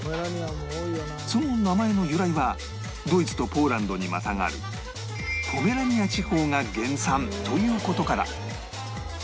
その名前の由来はドイツとポーランドにまたがるポメラニア地方が原産という事から